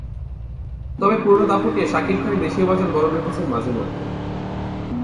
তবে পুরোনো দাপট নিয়ে শাকিব খানই দেশীয় বাজার গরম রেখেছেন মাঝেমধ্যে।